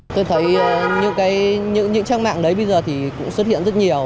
tôi thấy những cái trang mạng đấy bây giờ thì cũng xuất hiện rất nhiều